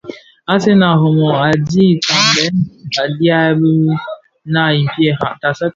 Asen a Rimoh a dhi kaňbèna a dhiaèn bi naa i mpiera.